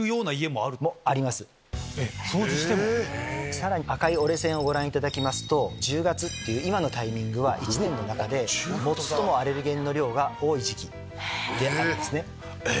さらに赤い折れ線をご覧いただきますと１０月っていう今のタイミングは１年の中で最もアレルゲンの量が多い時期であるんですね。え？